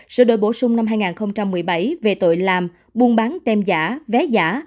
sự đổi bổ sung năm hai nghìn một mươi bảy về tội làm buôn bán tem giả vé giả